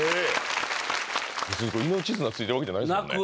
別にこれ命綱ついてるわけじゃないですもんね